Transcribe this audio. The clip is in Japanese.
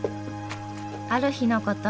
ある日のこと。